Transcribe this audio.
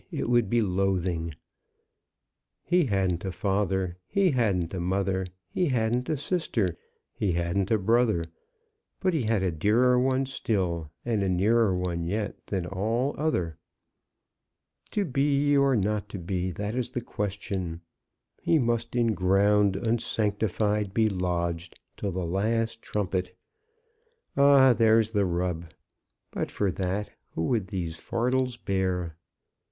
it would be loathing! He hadn't a father; he hadn't a mother; he hadn't a sister; he hadn't a brother; but he had a dearer one still, and a nearer one yet, than all other. 'To be or not to be; that is the question.' He must in ground unsanctified be lodged, till the last trumpet! Ah, there's the rub! But for that, who would these fardels bear?"